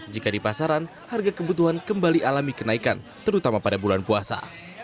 jika di pasaran harga kebutuhan kembali alami kenaikan terutama pada bulan puasa